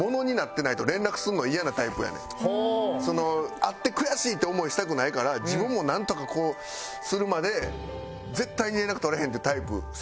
会って悔しい！っていう思いしたくないから自分もなんとかこうするまで絶対に連絡取れへんっていうタイプ性格的に。